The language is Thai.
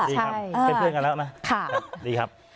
เป็นเพื่อนกันแล้วนะดีครับ